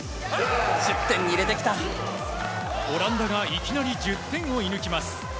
オランダがいきなり１０点を射抜きます。